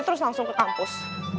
terus langsung ke kampus